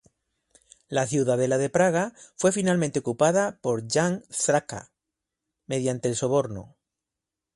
La ciudadela de Praga fue finalmente ocupada por Jan Žižka mediante el soborno.